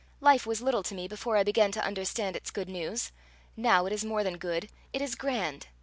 Life was little to me before I began to understand its good news; now it is more than good it is grand.